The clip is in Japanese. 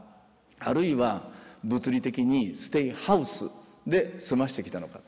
あるいは物理的にステイハウスで済ませてきたのか。